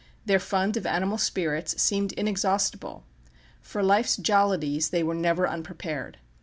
Their fund of animal spirits seemed inexhaustible. For life's jollities they were never unprepared.